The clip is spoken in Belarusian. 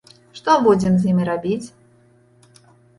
Што будзем з імі рабіць?